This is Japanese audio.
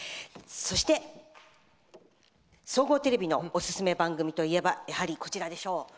そして総合テレビのおすすめ番組といえばやはりこちらでしょう。